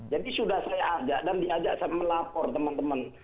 jadi sudah saya ajak dan diajak saya melapor teman teman